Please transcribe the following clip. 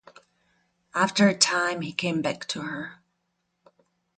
After a time he came back to her.